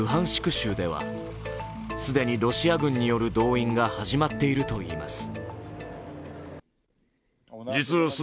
州では、既にロシア軍による動員が始まっているといいます。